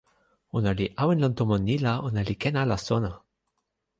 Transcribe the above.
ona li awen lon tomo ni la ona li ken ala sona.